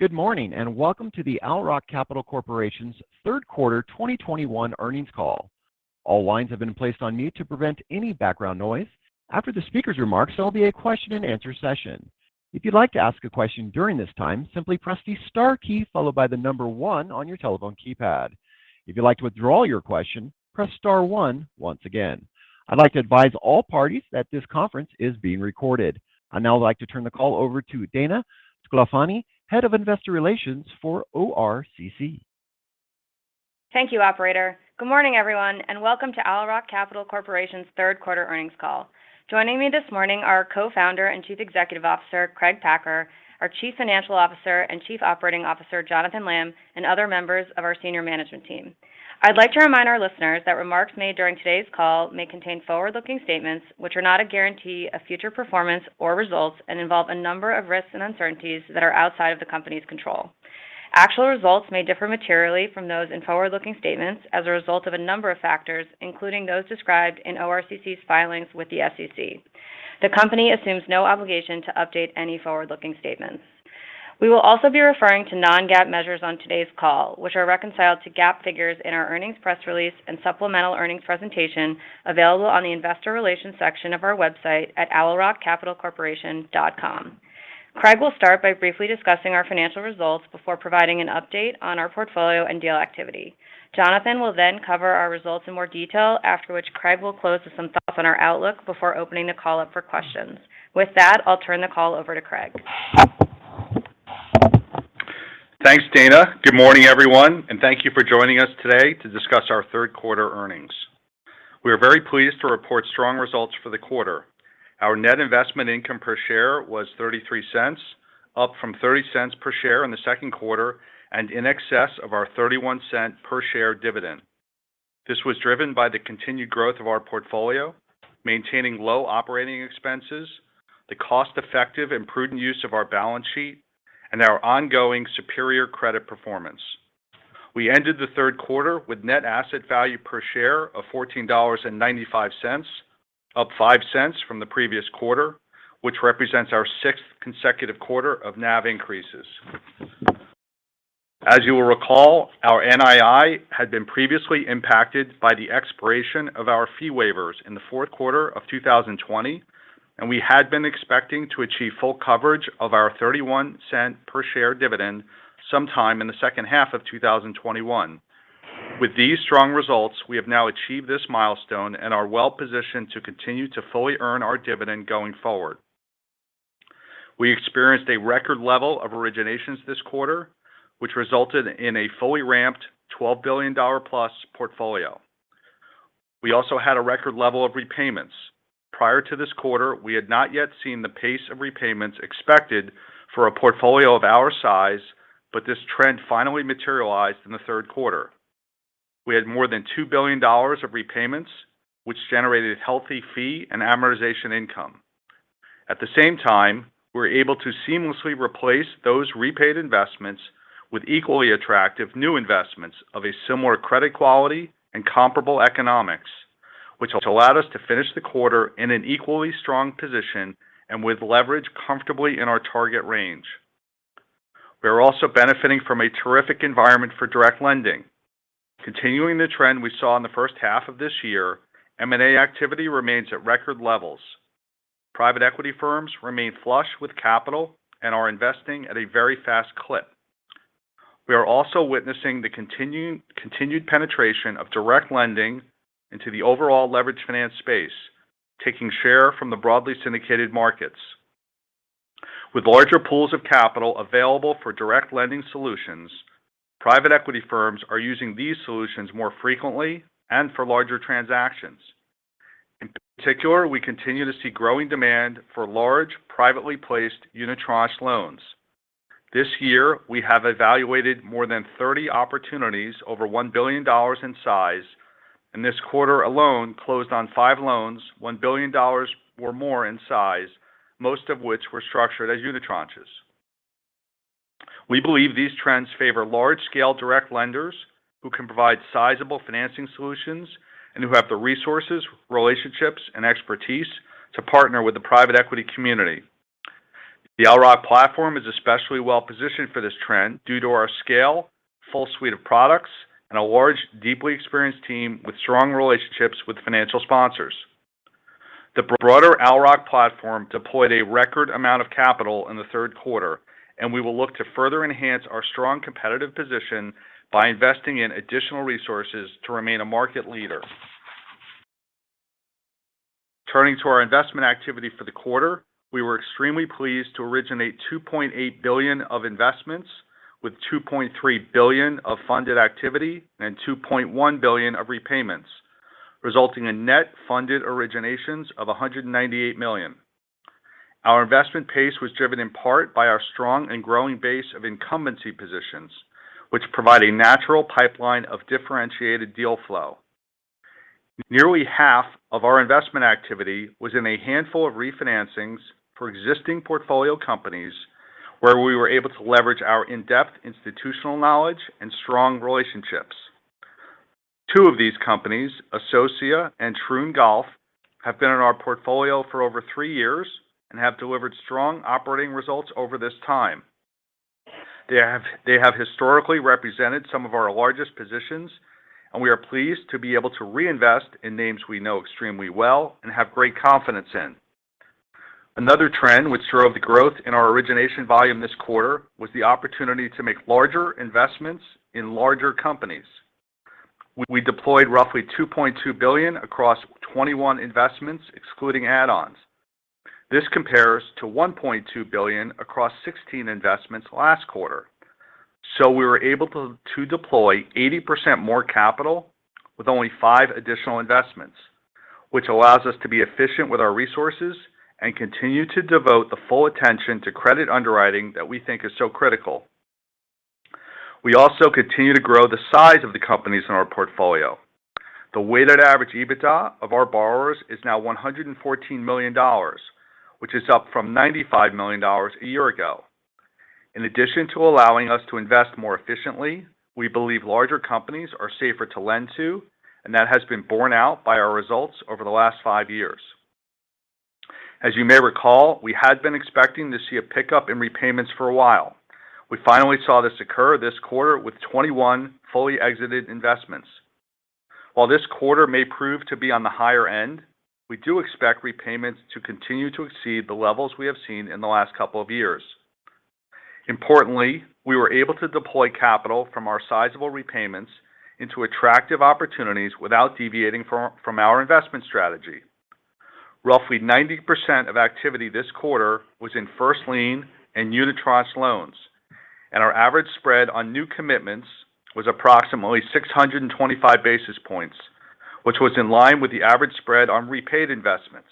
Good morning, and welcome to the Owl Rock Capital Corporation's Third Quarter 2021 Earnings Call. All lines have been placed on mute to prevent any background noise. After the speaker's remarks, there'll be a question-and-answer session. If you'd like to ask a question during this time, simply press the star key followed by the number one on your telephone keypad. If you'd like to withdraw your question, press star one once again. I'd like to advise all parties that this conference is being recorded. I'd now like to turn the call over to Dana Sclafani, Head of Investor Relations for ORCC. Thank you, operator. Good morning, everyone, and welcome to Owl Rock Capital Corporation's Third Quarter Earnings Call. Joining me this morning are Co-founder and Chief Executive Officer, Craig Packer, our Chief Financial Officer and Chief Operating Officer, Jonathan Lamm, and other members of our senior management team. I'd like to remind our listeners that remarks made during today's call may contain forward-looking statements which are not a guarantee of future performance or results and involve a number of risks and uncertainties that are outside of the company's control. Actual results may differ materially from those in forward-looking statements as a result of a number of factors, including those described in ORCC's filings with the SEC. The company assumes no obligation to update any forward-looking statements. We will also be referring to non-GAAP measures on today's call, which are reconciled to GAAP figures in our earnings press release and supplemental earnings presentation available on the investor relations section of our website at owlrockcapitalcorporation.com. Craig will start by briefly discussing our financial results before providing an update on our portfolio and deal activity. Jonathan will then cover our results in more detail, after which Craig will close with some thoughts on our outlook before opening the call up for questions. With that, I'll turn the call over to Craig. Thanks, Dana. Good morning, everyone, and thank you for joining us today to discuss our third quarter earnings. We are very pleased to report strong results for the quarter. Our net investment income per share was $0.33, up from $0.30 per share in the second quarter and in excess of our $0.31 per share dividend. This was driven by the continued growth of our portfolio, maintaining low operating expenses, the cost-effective and prudent use of our balance sheet, and our ongoing superior credit performance. We ended the third quarter with net asset value per share of $14.95, up $0.05 cents from the previous quarter, which represents our sixth consecutive quarter of NAV increases. As you will recall, our NII had been previously impacted by the expiration of our fee waivers in the fourth quarter of 2020, and we had been expecting to achieve full coverage of our $0.31 per share dividend sometime in the second half of 2021. With these strong results, we have now achieved this milestone and are well positioned to continue to fully earn our dividend going forward. We experienced a record level of originations this quarter, which resulted in a fully ramped $12 billion plus portfolio. We also had a record level of repayments. Prior to this quarter, we had not yet seen the pace of repayments expected for a portfolio of our size, but this trend finally materialized in the third quarter. We had more than $2 billion of repayments, which generated healthy fee and amortization income. At the same time, we were able to seamlessly replace those repaid investments with equally attractive new investments of a similar credit quality and comparable economics, which allowed us to finish the quarter in an equally strong position and with leverage comfortably in our target range. We are also benefiting from a terrific environment for direct lending. Continuing the trend we saw in the first half of this year, M&A activity remains at record levels. Private equity firms remain flush with capital and are investing at a very fast clip. We are also witnessing the continued penetration of direct lending into the overall leveraged finance space, taking share from the broadly syndicated markets. With larger pools of capital available for direct lending solutions, private equity firms are using these solutions more frequently and for larger transactions. In particular, we continue to see growing demand for large, privately placed unitranche loans. This year, we have evaluated more than 30 opportunities over $1 billion in size, and this quarter alone closed on five loans $1 billion or more in size, most of which were structured as unitranches. We believe these trends favor large-scale direct lenders who can provide sizable financing solutions and who have the resources, relationships, and expertise to partner with the private equity community. The Owl Rock platform is especially well positioned for this trend due to our scale, full suite of products, and a large, deeply experienced team with strong relationships with financial sponsors. The broader Owl Rock platform deployed a record amount of capital in the third quarter, and we will look to further enhance our strong competitive position by investing in additional resources to remain a market leader. Turning to our investment activity for the quarter, we were extremely pleased to originate $2.8 billion of investments with $2.3 billion of funded activity and $2.1 billion of repayments, resulting in net funded originations of $198 million. Our investment pace was driven in part by our strong and growing base of incumbency positions, which provide a natural pipeline of differentiated deal flow. Nearly half of our investment activity was in a handful of refinancings for existing portfolio companies where we were able to leverage our in-depth institutional knowledge and strong relationships. Two of these companies, Associa and Troon, have been in our portfolio for over three years and have delivered strong operating results over this time. They have historically represented some of our largest positions, and we are pleased to be able to reinvest in names we know extremely well and have great confidence in. Another trend which drove the growth in our origination volume this quarter was the opportunity to make larger investments in larger companies. We deployed roughly $2.2 billion across 21 investments excluding add-ons. This compares to $1.2 billion across 16 investments last quarter. We were able to deploy 80% more capital with only five additional investments, which allows us to be efficient with our resources and continue to devote the full attention to credit underwriting that we think is so critical. We also continue to grow the size of the companies in our portfolio. The weighted average EBITDA of our borrowers is now $114 million, which is up from $95 million a year ago. In addition to allowing us to invest more efficiently, we believe larger companies are safer to lend to, and that has been borne out by our results over the last five years. As you may recall, we had been expecting to see a pickup in repayments for a while. We finally saw this occur this quarter with 21 fully exited investments. While this quarter may prove to be on the higher end, we do expect repayments to continue to exceed the levels we have seen in the last couple of years. Importantly, we were able to deploy capital from our sizable repayments into attractive opportunities without deviating from our investment strategy. Roughly 90% of activity this quarter was in first lien and unitranche loans, and our average spread on new commitments was approximately 625 basis points, which was in line with the average spread on repaid investments.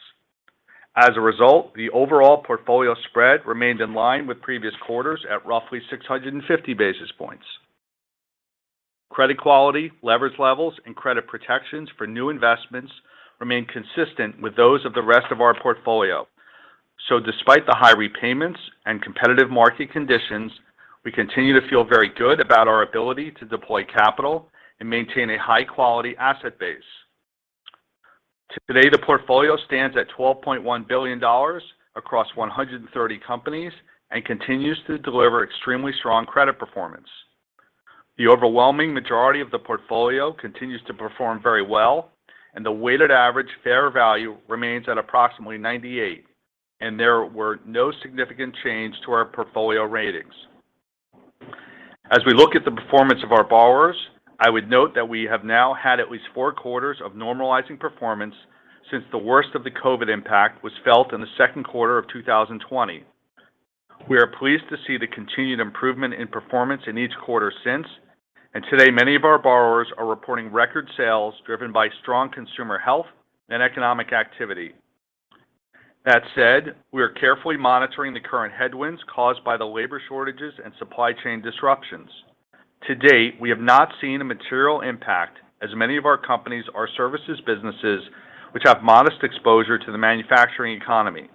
As a result, the overall portfolio spread remained in line with previous quarters at roughly 650 basis points. Credit quality, leverage levels, and credit protections for new investments remain consistent with those of the rest of our portfolio. Despite the high repayments and competitive market conditions, we continue to feel very good about our ability to deploy capital and maintain a high-quality asset base. Today, the portfolio stands at $12.1 billion across 130 companies and continues to deliver extremely strong credit performance. The overwhelming majority of the portfolio continues to perform very well, and the weighted average fair value remains at approximately 98%, and there were no significant change to our portfolio ratings. As we look at the performance of our borrowers, I would note that we have now had at least four quarters of normalizing performance since the worst of the COVID impact was felt in the second quarter of 2020. We are pleased to see the continued improvement in performance in each quarter since, and today many of our borrowers are reporting record sales driven by strong consumer health and economic activity. That said, we are carefully monitoring the current headwinds caused by the labor shortages and supply chain disruptions. To date, we have not seen a material impact as many of our companies are services businesses which have modest exposure to the manufacturing economy.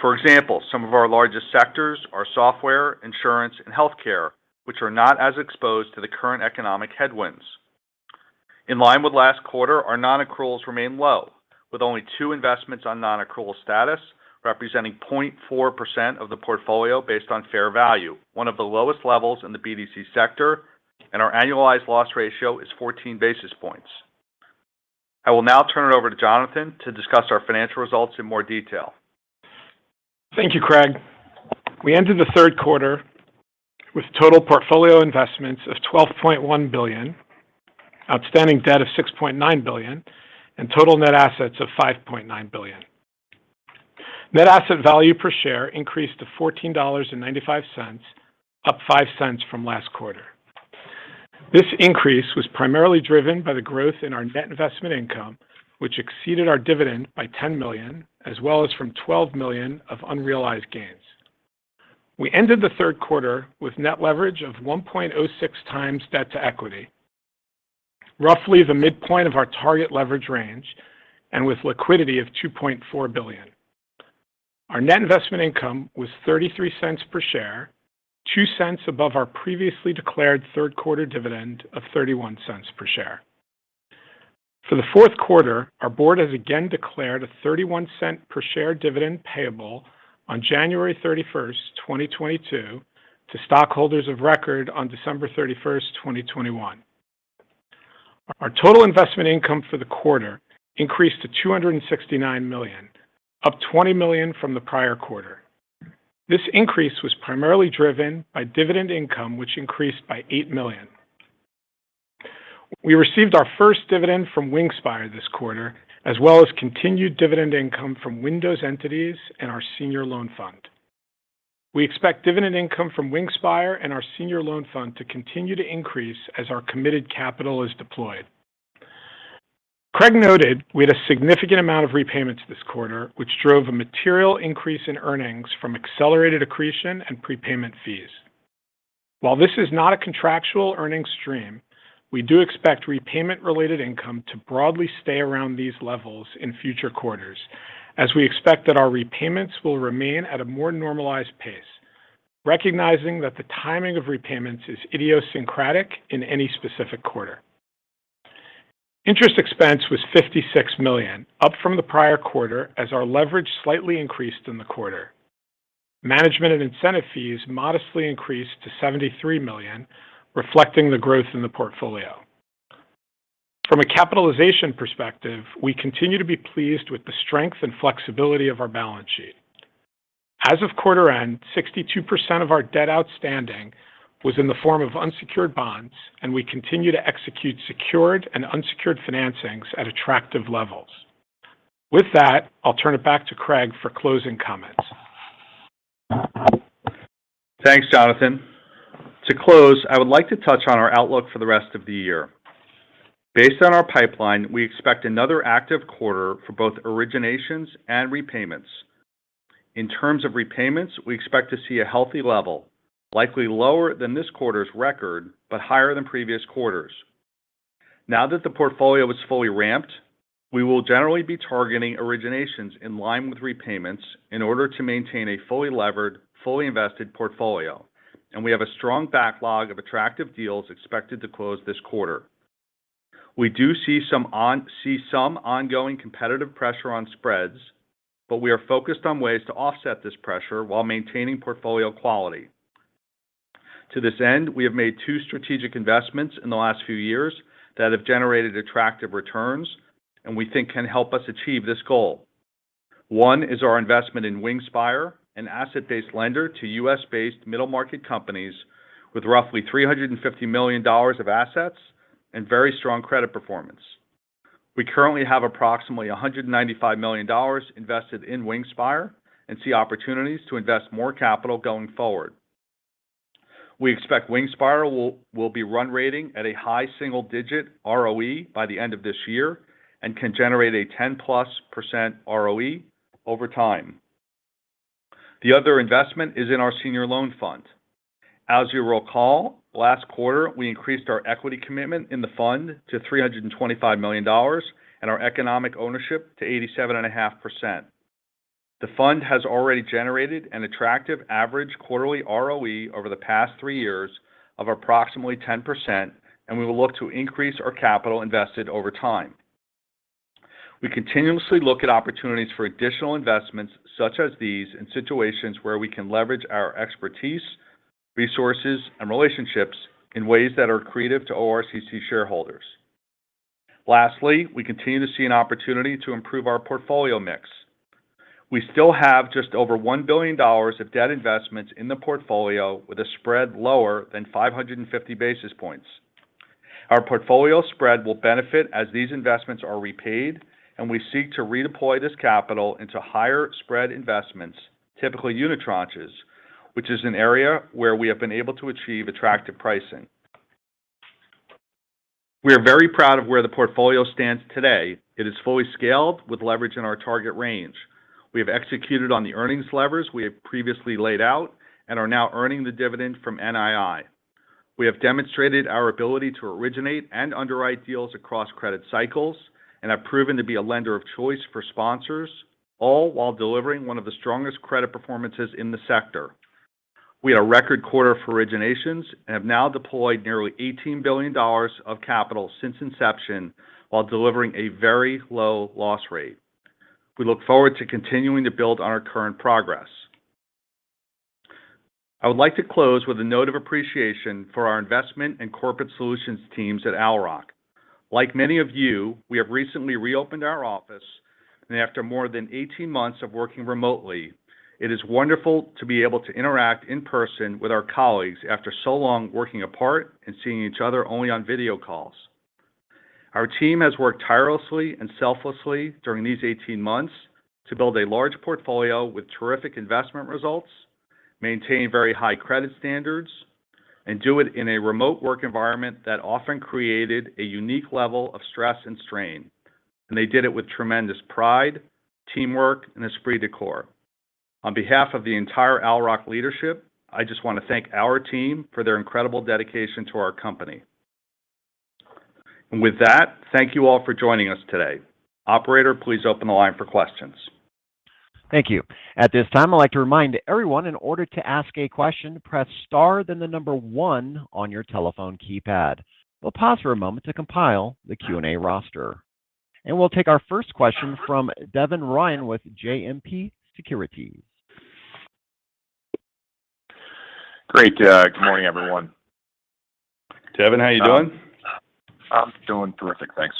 For example, some of our largest sectors are software, insurance, and healthcare, which are not as exposed to the current economic headwinds. In line with last quarter, our non-accruals remain low, with only two investments on non-accrual status, representing 0.4% of the portfolio based on fair value, one of the lowest levels in the BDC sector, and our annualized loss ratio is 14 basis points. I will now turn it over to Jonathan to discuss our financial results in more detail. Thank you, Craig. We ended the third quarter with total portfolio investments of $12.1 billion, outstanding debt of $6.9 billion, and total net assets of $5.9 billion. Net asset value per share increased to $14.95, up $0.05 From last quarter. This increase was primarily driven by the growth in our net investment income, which exceeded our dividend by $10 million, as well as from $12 million of unrealized gains. We ended the third quarter with net leverage of 1.06x debt to equity, roughly the midpoint of our target leverage range and with liquidity of $2.4 billion. Our net investment income was $0.33 per share, $0.02 above our previously declared third quarter dividend of $0.31 cents per share. For the fourth quarter, our board has again declared a $0.31 per share dividend payable on January 31st, 2022 to stockholders of record on December 31st, 2021. Our total investment income for the quarter increased to $269 million, up $20 million from the prior quarter. This increase was primarily driven by dividend income, which increased by $8 million. We received our first dividend from Wingspire this quarter, as well as continued dividend income from Windows Entities and our senior loan fund. We expect dividend income from Wingspire and our senior loan fund to continue to increase as our committed capital is deployed. Craig noted we had a significant amount of repayments this quarter, which drove a material increase in earnings from accelerated accretion and prepayment fees. While this is not a contractual earnings stream, we do expect repayment-related income to broadly stay around these levels in future quarters as we expect that our repayments will remain at a more normalized pace, recognizing that the timing of repayments is idiosyncratic in any specific quarter. Interest expense was $56 million, up from the prior quarter as our leverage slightly increased in the quarter. Management and incentive fees modestly increased to $73 million, reflecting the growth in the portfolio. From a capitalization perspective, we continue to be pleased with the strength and flexibility of our balance sheet. As of quarter end, 62% of our debt outstanding was in the form of unsecured bonds, and we continue to execute secured and unsecured financings at attractive levels. With that, I'll turn it back to Craig for closing comments. Thanks, Jonathan. To close, I would like to touch on our outlook for the rest of the year. Based on our pipeline, we expect another active quarter for both originations and repayments. In terms of repayments, we expect to see a healthy level, likely lower than this quarter's record, but higher than previous quarters. Now that the portfolio is fully ramped, we will generally be targeting originations in line with repayments in order to maintain a fully levered, fully invested portfolio, and we have a strong backlog of attractive deals expected to close this quarter. We do see some ongoing competitive pressure on spreads, but we are focused on ways to offset this pressure while maintaining portfolio quality. To this end, we have made two strategic investments in the last few years that have generated attractive returns and we think can help us achieve this goal. One is our investment in Wingspire, an asset-based lender to U.S.-based middle-market companies with roughly $350 million of assets and very strong credit performance. We currently have approximately $195 million invested in Wingspire and see opportunities to invest more capital going forward. We expect Wingspire will be run rate at a high single-digit ROE by the end of this year and can generate a 10%+ ROE over time. The other investment is in our Senior Loan Fund. As you'll recall, last quarter we increased our equity commitment in the fund to $325 million and our economic ownership to 87.5%. The fund has already generated an attractive average quarterly ROE over the past three years of approximately 10%, and we will look to increase our capital invested over time. We continuously look at opportunities for additional investments such as these in situations where we can leverage our expertise, resources, and relationships in ways that are accretive to ORCC shareholders. Lastly, we continue to see an opportunity to improve our portfolio mix. We still have just over $1 billion of debt investments in the portfolio with a spread lower than 550 basis points. Our portfolio spread will benefit as these investments are repaid, and we seek to redeploy this capital into higher spread investments, typical unitranches, which is an area where we have been able to achieve attractive pricing. We are very proud of where the portfolio stands today. It is fully scaled with leverage in our target range. We have executed on the earnings levers we have previously laid out and are now earning the dividend from NII. We have demonstrated our ability to originate and underwrite deals across credit cycles and have proven to be a lender of choice for sponsors, all while delivering one of the strongest credit performances in the sector. We had a record quarter for originations and have now deployed nearly $18 billion of capital since inception while delivering a very low loss rate. We look forward to continuing to build on our current progress. I would like to close with a note of appreciation for our investment and corporate solutions teams at Owl Rock. Like many of you, we have recently reopened our office, and after more than 18 months of working remotely, it is wonderful to be able to interact in person with our colleagues after so long working apart and seeing each other only on video calls. Our team has worked tirelessly and selflessly during these 18 months to build a large portfolio with terrific investment results, maintain very high credit standards, and do it in a remote work environment that often created a unique level of stress and strain. They did it with tremendous pride, teamwork, and esprit de corps. On behalf of the entire Owl Rock leadership, I just want to thank our team for their incredible dedication to our company. With that, thank you all for joining us today. Operator, please open the line for questions. Thank you. At this time, I'd like to remind everyone in order to ask a question, press star then the number one on your telephone keypad. We'll pause for a moment to compile the Q&A roster. We'll take our first question from Devin Ryan with JMP Securities. Great. Good morning, everyone. Devin, how are you doing? I'm doing terrific, thanks.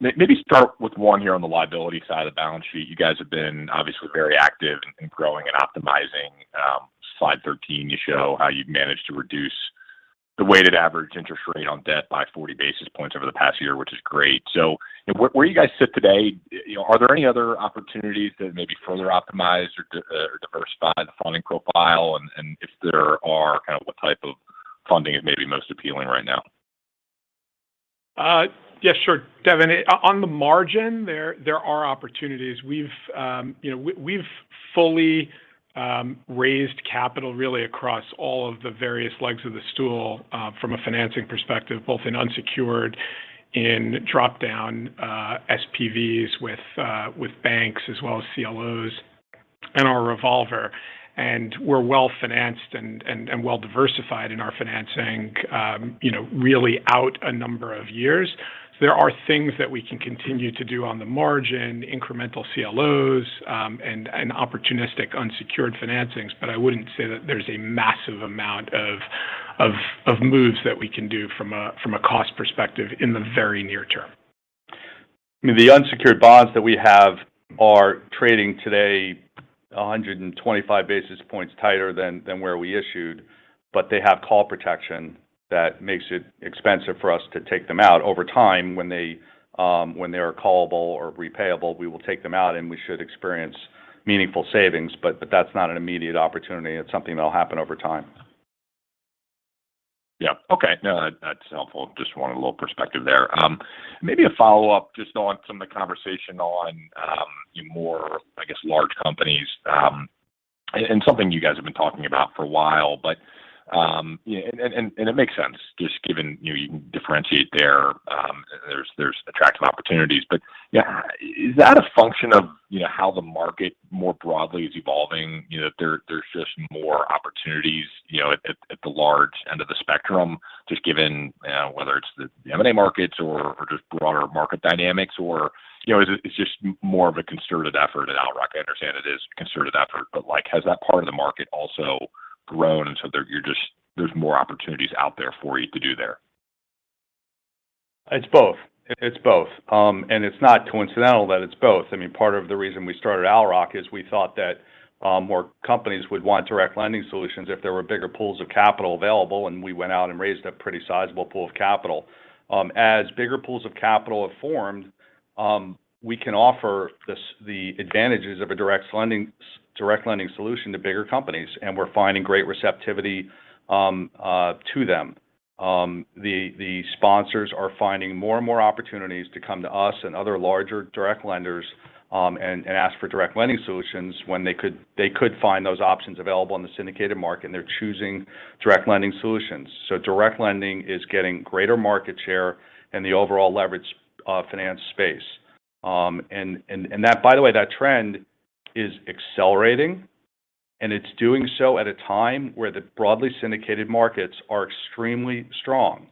Maybe start with one here on the liability side of the balance sheet. You guys have been obviously very active in growing and optimizing. Slide 13, you show how you've managed to reduce the weighted average interest rate on debt by 40 basis points over the past year, which is great. Where you guys sit today, you know, are there any other opportunities that maybe further optimize or diversify the funding profile? If there are, kind of what type of funding is maybe most appealing right now? Yes, sure. Devin, on the margin there are opportunities. You know, we've fully raised capital really across all of the various legs of the stool, from a financing perspective, both in unsecured In drop-down SPVs with banks as well as CLOs and our revolver. We're well-financed and well-diversified in our financing, you know, really out a number of years. There are things that we can continue to do on the margin, incremental CLOs, and opportunistic unsecured financings, but I wouldn't say that there's a massive amount of moves that we can do from a cost perspective in the very near term. The unsecured bonds that we have are trading today 125 basis points tighter than where we issued, but they have call protection that makes it expensive for us to take them out. Over time, when they are callable or repayable, we will take them out, and we should experience meaningful savings, but that's not an immediate opportunity. It's something that'll happen over time. Yeah. Okay. No, that's helpful. Just wanted a little perspective there. Maybe a follow-up just on some of the conversation on more, I guess, large companies, and something you guys have been talking about for a while. It makes sense just given, you know, you can differentiate there. There's attractive opportunities. Yeah, is that a function of, you know, how the market more broadly is evolving? You know, there's just more opportunities, you know, at the large end of the spectrum, just given whether it's the M&A markets or just broader market dynamics or, you know, is it just more of a concerted effort at Owl Rock? I understand it is a concerted effort, but like has that part of the market also grown and so there's more opportunities out there for you to do there? It's both. It's not coincidental that it's both. I mean, part of the reason we started Owl Rock is we thought that more companies would want direct lending solutions if there were bigger pools of capital available, and we went out and raised a pretty sizable pool of capital. As bigger pools of capital have formed, we can offer the advantages of a direct lending solution to bigger companies, and we're finding great receptivity to them. The sponsors are finding more and more opportunities to come to us and other larger direct lenders and ask for direct lending solutions when they could find those options available in the syndicated market, and they're choosing direct lending solutions. Direct lending is getting greater market share in the overall leveraged finance space. That by the way, that trend is accelerating, and it's doing so at a time where the broadly syndicated markets are extremely strong.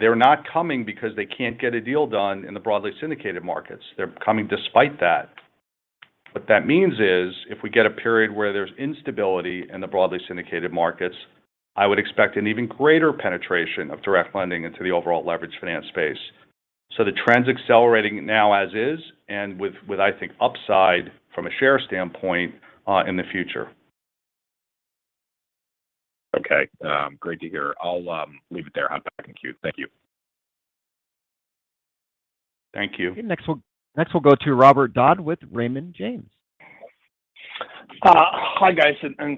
They're not coming because they can't get a deal done in the broadly syndicated markets. They're coming despite that. What that means is, if we get a period where there's instability in the broadly syndicated markets, I would expect an even greater penetration of direct lending into the overall leveraged finance space. The trend's accelerating now as is, and with, I think, upside from a share standpoint, in the future. Okay. Great to hear. I'll leave it there. I'm back in queue. Thank you. Thank you. Next we'll go to Robert Dodd with Raymond James. Hi guys,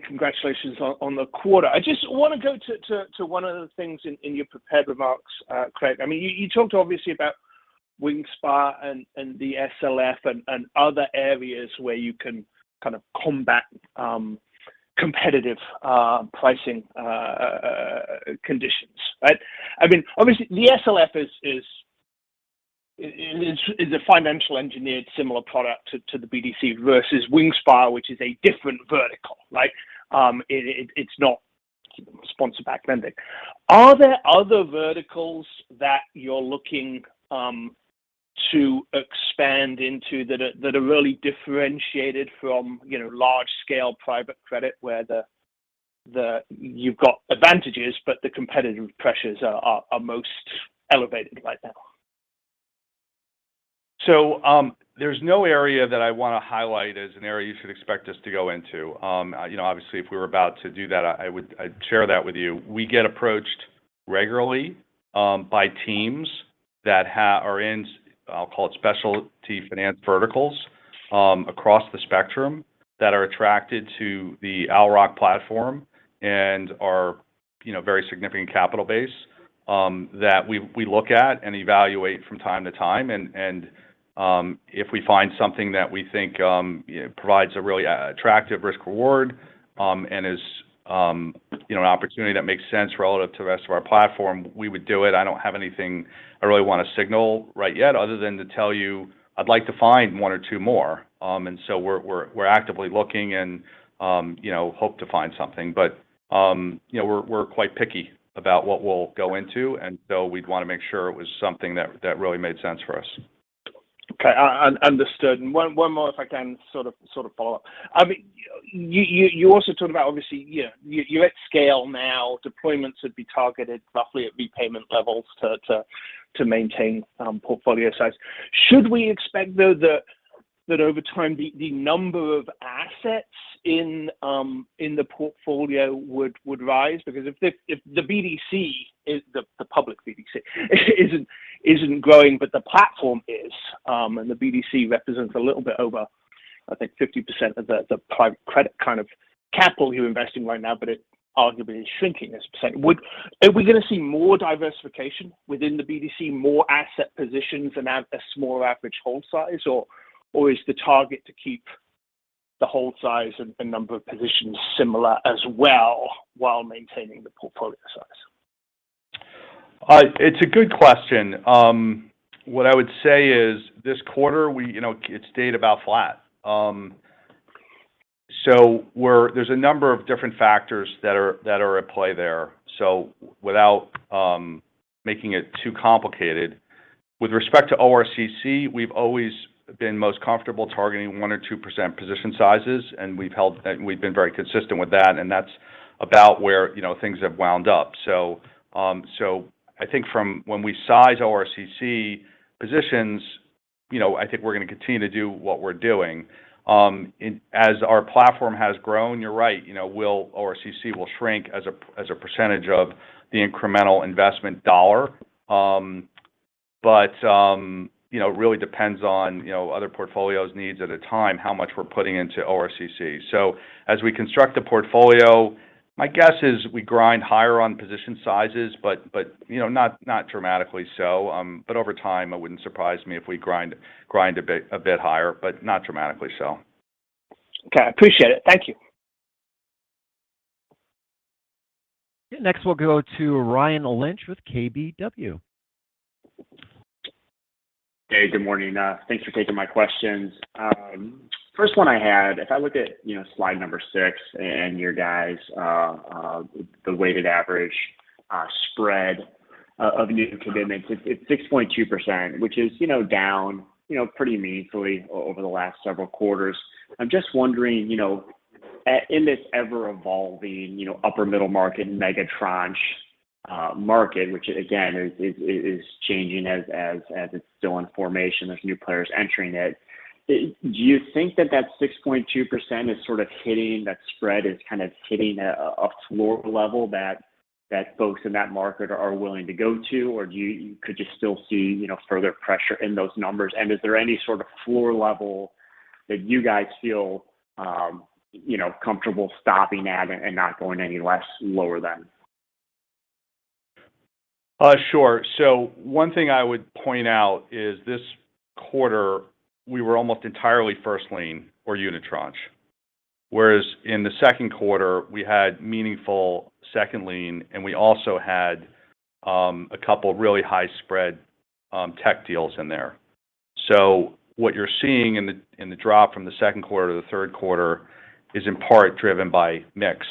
congratulations on the quarter. I just want to go to one of the things in your prepared remarks, Craig. I mean, you talked obviously about Wingspire and the SLF and other areas where you can kind of combat competitive pricing conditions, right? I mean, obviously the SLF is a financially engineered similar product to the BDC versus Wingspire, which is a different vertical, right? It's not sponsor-backed lending. Are there other verticals that you're looking to expand into that are really differentiated from, you know, large-scale private credit where you've got advantages, but the competitive pressures are most elevated right now? There's no area that I wanna highlight as an area you should expect us to go into. You know, obviously, if we were about to do that, I'd share that with you. We get approached regularly by teams that are in, I'll call it specialty finance verticals, across the spectrum that are attracted to the Owl Rock platform and are, you know, very significant capital base, that we look at and evaluate from time to time. And if we find something that we think provides a really attractive risk reward, and is, you know, an opportunity that makes sense relative to the rest of our platform, we would do it. I don't have anything I really wanna signal right yet other than to tell you I'd like to find one or two more. We're actively looking, and you know, hope to find something. You know, we're quite picky about what we'll go into, and so we'd wanna make sure it was something that really made sense for us. Okay. Understood. One more if I can sort of follow up. I mean, you also talked about obviously, you know, you're at scale now. Deployments would be targeted roughly at repayment levels to maintain portfolio size. Should we expect though that over time the number of assets in the portfolio would rise? Because if the BDC is the public BDC isn't growing, but the platform is, and the BDC represents a little bit over, I think 50% of the private credit kind of capital you're investing right now, but it arguably is shrinking as a percent. Are we gonna see more diversification within the BDC, more asset positions and a smaller average hold size? Is the target to keep the hold size and number of positions similar as well while maintaining the portfolio size? It's a good question. What I would say is this quarter we, you know, it stayed about flat. There's a number of different factors that are at play there. Without making it too complicated, with respect to ORCC, we've always been most comfortable targeting 1% or 2% position sizes, and we've been very consistent with that, and that's about where, you know, things have wound up. I think from when we size ORCC positions, you know, I think we're gonna continue to do what we're doing. As our platform has grown, you're right, you know, ORCC will shrink as a percentage of the incremental investment dollar. You know, it really depends on, you know, other portfolios needs at a time, how much we're putting into ORCC. As we construct a portfolio, my guess is we grind higher on position sizes, but you know, not dramatically so. Over time, it wouldn't surprise me if we grind a bit higher, but not dramatically so. Okay. I appreciate it. Thank you. Next, we'll go to Ryan Lynch with KBW. Hey, good morning. Thanks for taking my questions. First one I had, if I look at, you know, slide number six and your guys', the weighted average spread of new commitments, it's 6.2%, which is, you know, down, you know, pretty meaningfully over the last several quarters. I'm just wondering, you know, in this ever-evolving, you know, upper middle market mega unitranche market, which again, is changing as it's still in formation, there's new players entering it. Do you think that 6.2% is sort of hitting that spread, is kind of hitting a floor level that folks in that market are willing to go to? Or could you still see, you know, further pressure in those numbers? Is there any sort of floor level that you guys feel, you know, comfortable stopping at and not going any less lower than? Sure. One thing I would point out is this quarter, we were almost entirely first lien or unitranche. Whereas in the second quarter, we had meaningful second lien, and we also had a couple really high spread tech deals in there. What you're seeing in the drop from the second quarter to the third quarter is in part driven by mix,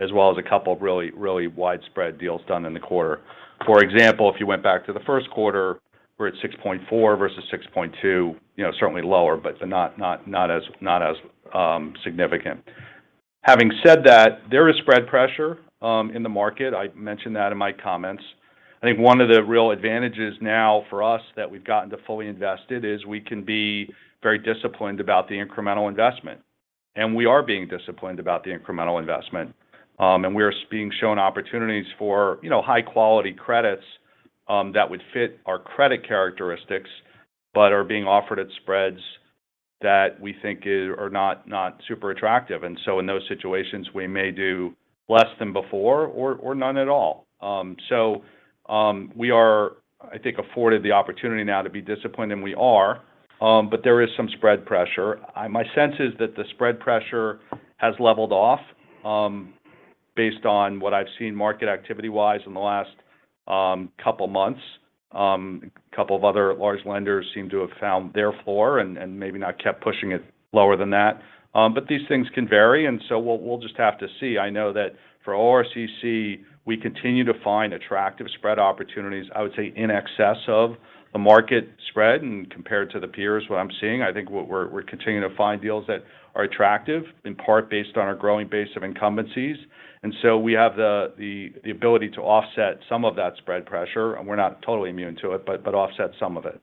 as well as a couple of really widespread deals done in the quarter. For example, if you went back to the first quarter, we're at 6.4 versus 6.2, you know, certainly lower, but not as significant. Having said that, there is spread pressure in the market. I mentioned that in my comments. I think one of the real advantages now for us that we've gotten to fully invested is we can be very disciplined about the incremental investment. We are being disciplined about the incremental investment. We are being shown opportunities for, you know, high-quality credits that would fit our credit characteristics, but are being offered at spreads that we think are not super attractive. In those situations, we may do less than before or none at all. We are, I think, afforded the opportunity now to be disciplined, and we are. There is some spread pressure. My sense is that the spread pressure has leveled off, based on what I've seen market activity-wise in the last couple months. A couple of other large lenders seem to have found their floor and maybe not kept pushing it lower than that. These things can vary, and so we'll just have to see. I know that for ORCC, we continue to find attractive spread opportunities, I would say in excess of the market spread and compared to the peers, what I'm seeing. I think we're continuing to find deals that are attractive, in part based on our growing base of incumbencies. We have the ability to offset some of that spread pressure. We're not totally immune to it, but offset some of it.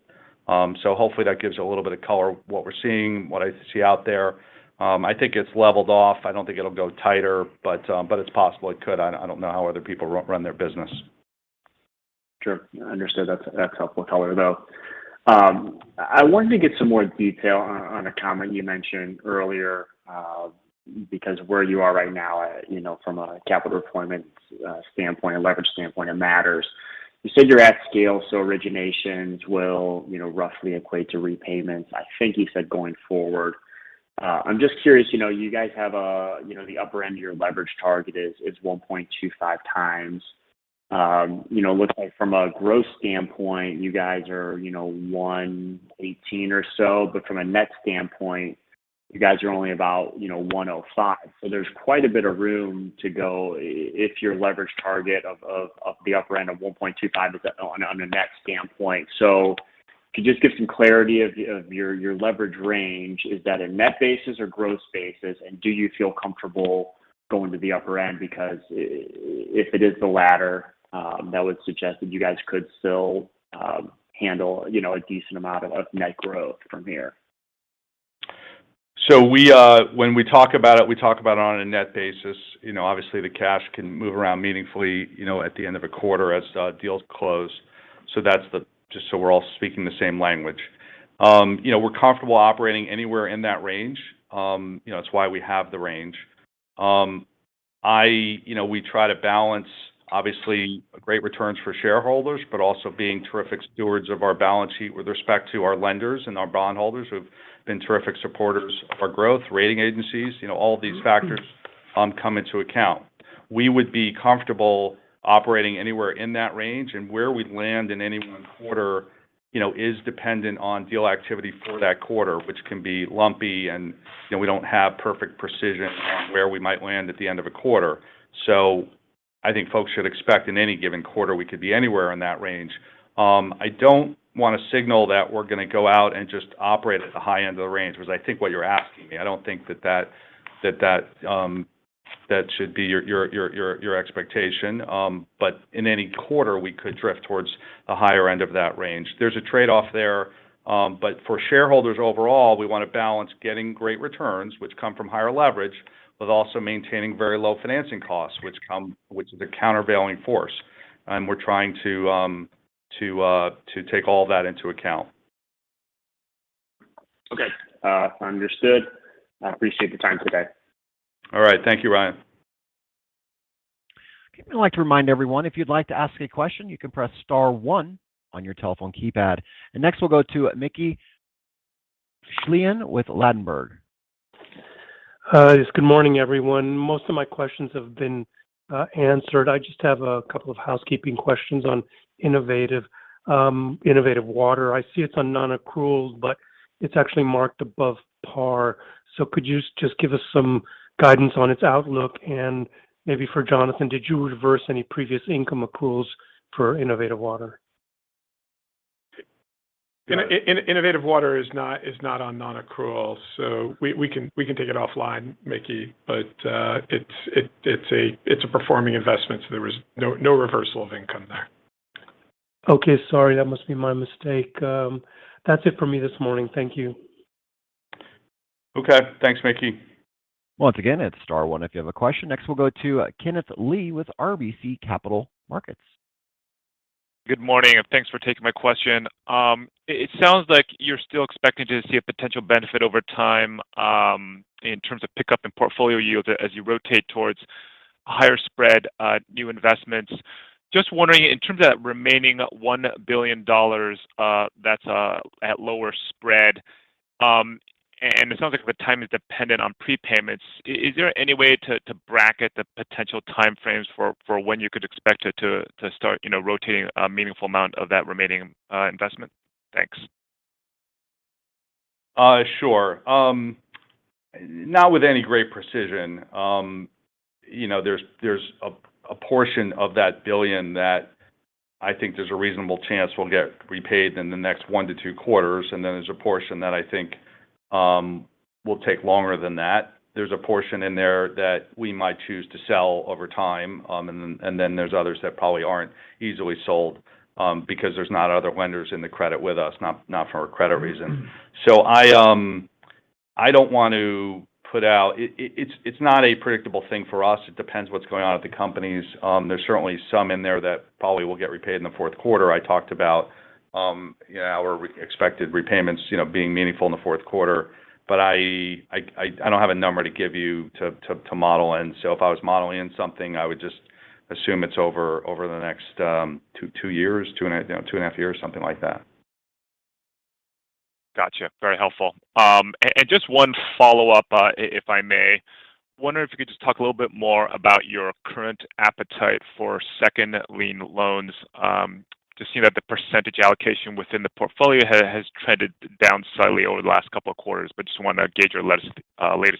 Hopefully that gives a little bit of color what we're seeing, what I see out there. I think it's leveled off. I don't think it'll go tighter, but it's possible it could. I don't know how other people run their business. Sure. Understood. That's helpful color, though. I wanted to get some more detail on a comment you mentioned earlier, because where you are right now, you know, from a capital deployment standpoint, a leverage standpoint, it matters. You said you're at scale, so originations will, you know, roughly equate to repayments, I think you said, going forward. I'm just curious, you know, you guys have a, you know, the upper end of your leverage target is 1.25x. It looks like from a growth standpoint, you guys are 1.18 or so, but from a net standpoint, you guys are only about 1.05. There's quite a bit of room to go if your leverage target of the upper end of 1.25 is on a net standpoint. Could you just give some clarity on your leverage range? Is that a net basis or growth basis? Do you feel comfortable going to the upper end? Because if it is the latter, that would suggest that you guys could still handle, you know, a decent amount of net growth from here. We when we talk about it, we talk about it on a net basis. You know, obviously the cash can move around meaningfully, you know, at the end of a quarter as deals close. That's just so we're all speaking the same language. You know, we're comfortable operating anywhere in that range. You know, it's why we have the range. You know, we try to balance obviously great returns for shareholders, but also being terrific stewards of our balance sheet with respect to our lenders and our bondholders who've been terrific supporters of our growth, rating agencies, you know, all of these factors come into account. We would be comfortable operating anywhere in that range, and where we'd land in any one quarter, you know, is dependent on deal activity for that quarter, which can be lumpy and, you know, we don't have perfect precision on where we might land at the end of a quarter. I think folks should expect in any given quarter, we could be anywhere in that range. I don't wanna signal that we're gonna go out and just operate at the high end of the range, which I think what you're asking me. I don't think that should be your expectation. In any quarter, we could drift towards the higher end of that range. There's a trade-off there, but for shareholders overall, we wanna balance getting great returns, which come from higher leverage, but also maintaining very low financing costs, which is a countervailing force. We're trying to take all that into account. Okay. Understood. I appreciate the time today. All right. Thank you, Ryan. Okay. I'd like to remind everyone, if you'd like to ask a question, you can press star one on your telephone keypad. Next, we'll go to Mickey Schleien with Ladenburg. Yes. Good morning, everyone. Most of my questions have been answered. I just have a couple of housekeeping questions on Innovative Water. I see it's on non-accrual, but it's actually marked above par. Could you just give us some guidance on its outlook? Maybe for Jonathan, did you reverse any previous income accruals for Innovative Water? Innovative Water is not on non-accrual, so we can take it offline, Mickey. It's a performing investment, so there was no reversal of income there. Okay. Sorry, that must be my mistake. That's it for me this morning. Thank you. Okay. Thanks, Mickey. Once again, it's star one if you have a question. Next, we'll go to Kenneth Lee with RBC Capital Markets. Good morning, and thanks for taking my question. It sounds like you're still expecting to see a potential benefit over time, in terms of pickup in portfolio yield as you rotate towards higher spread new investments. Just wondering, in terms of that remaining $1 billion, that's at lower spread, and it sounds like the time is dependent on prepayments. Is there any way to bracket the potential time frames for when you could expect it to start, you know, rotating a meaningful amount of that remaining investment? Thanks. Sure. Not with any great precision. You know, there's a portion of that billion that I think there's a reasonable chance will get repaid in the next 1-2 quarters. Then there's a portion that I think will take longer than that. There's a portion in there that we might choose to sell over time, and then there's others that probably aren't easily sold, because there's not other lenders in the credit with us, not for a credit reason. So I don't want to put out. It's not a predictable thing for us. It depends what's going on at the companies. There's certainly some in there that probably will get repaid in the fourth quarter. I talked about, you know, our expected repayments, you know, being meaningful in the fourth quarter. I don't have a number to give you to model in. If I was modeling in something, I would just assume it's over the next two years, two and a half years, something like that. Gotcha. Very helpful. Just one follow-up, if I may. Wondering if you could just talk a little bit more about your current appetite for second lien loans. Just seeing that the percentage allocation within the portfolio has trended down slightly over the last couple of quarters, but just wanna gauge your latest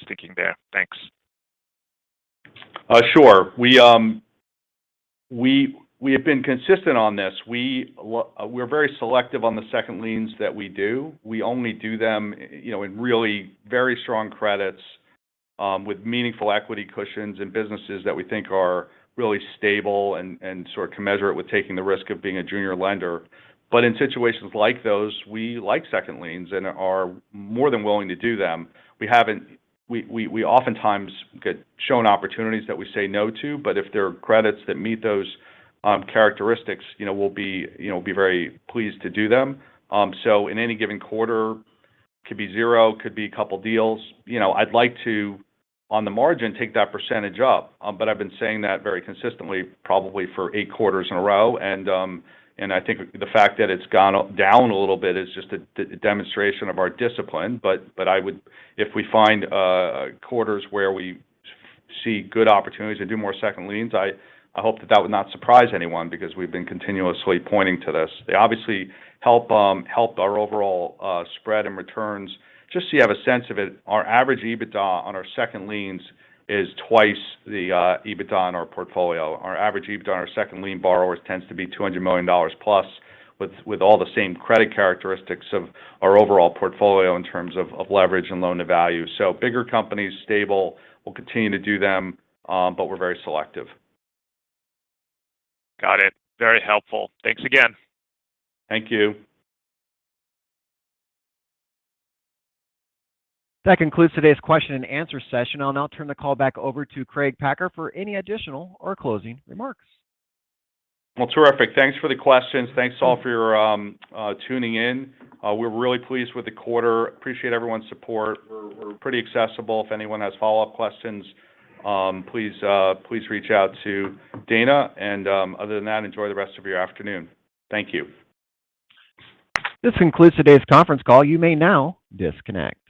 thinking there. Thanks. Sure. We have been consistent on this. We're very selective on the second liens that we do. We only do them, you know, in really very strong credits, with meaningful equity cushions and businesses that we think are really stable and sort of commensurate with taking the risk of being a junior lender. In situations like those, we like second liens and are more than willing to do them. We oftentimes get shown opportunities that we say no to, but if there are credits that meet those characteristics, you know, we'll be very pleased to do them. In any given quarter, could be zero, could be a couple deals. You know, I'd like to, on the margin, take that percentage up. I've been saying that very consistently probably for eight quarters in a row. I think the fact that it's gone down a little bit is just the demonstration of our discipline. If we find quarters where we see good opportunities to do more second liens, I hope that that would not surprise anyone because we've been continuously pointing to this. They obviously help our overall spread and returns. Just so you have a sense of it, our average EBITDA on our second liens is twice the EBITDA on our portfolio. Our average EBITDA on our second lien borrowers tends to be $200 million plus with all the same credit characteristics of our overall portfolio in terms of leverage and loan to value. Bigger companies, stable, we'll continue to do them, but we're very selective. Got it. Very helpful. Thanks again. Thank you. That concludes today's question and answer session. I'll now turn the call back over to Craig Packer for any additional or closing remarks. Well, terrific. Thanks for the questions. Thanks all for your tuning in. We're really pleased with the quarter. Appreciate everyone's support. We're pretty accessible. If anyone has follow-up questions, please reach out to Dana. Other than that, enjoy the rest of your afternoon. Thank you. This concludes today's conference call. You may now disconnect.